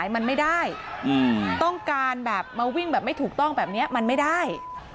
มันไม่ได้ต้องการแบบมาวิ่งแบบไม่ถูกต้องแบบนี้มันไม่ได้